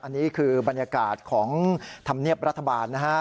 อันนี้คือบรรยากาศของธรรมเนียบรัฐบาลนะฮะ